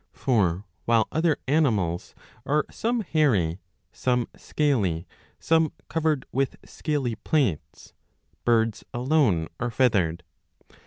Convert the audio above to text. For while other animals are some hairy, some scaly, some covered with scaly plates, birds alone are feathered.